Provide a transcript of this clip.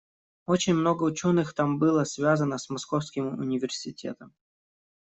Очень много ученых там было связано с Московским университетом.